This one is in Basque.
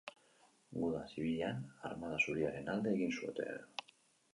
Guda Zibilean Armada Zuriaren alde egin zuten.